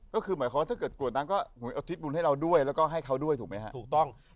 ก็คือหมายความว่าถ้าเกิดกรวดนางก็เอาทิศบุญให้เราด้วยแล้วก็ให้เขาด้วยถูกไหมฮะถูกต้อง